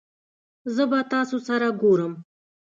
زه به تاسو سره ګورم